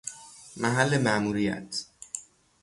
محل مأموریت